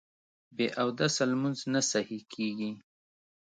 بې اودسه لمونځ نه صحیح کېږي